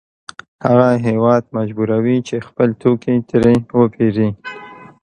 هغه هېواد مجبوروي چې خپل توکي ترې وپېري